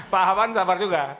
pak abahansabar juga